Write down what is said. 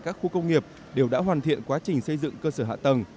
các khu công nghiệp đều đã hoàn thiện quá trình xây dựng cơ sở hạ tầng